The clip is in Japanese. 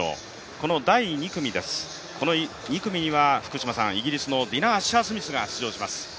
この第２組です、この２組にはイギリスのディナ・アッシャースミスが出場します。